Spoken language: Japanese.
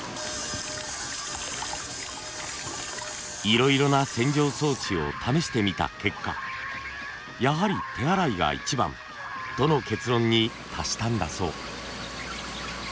いろいろな洗浄装置を試してみた結果やはり手洗いが一番との結論に達したんだそう。